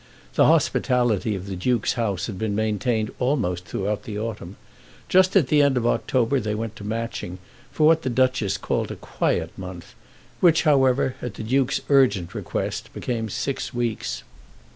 The hospitality of the Duke's house had been maintained almost throughout the autumn. Just at the end of October they went to Matching, for what the Duchess called a quiet month, which, however, at the Duke's urgent request became six weeks.